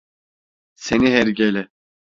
Seni hergele!